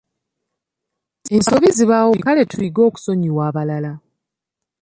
Ensobi zibaawo kale tuyige okusonyiwa abalala.